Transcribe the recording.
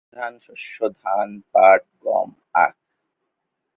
জেলার প্রধান শস্য ধান, পাট, গম, আখ।